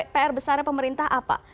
pr besarnya pemerintah apa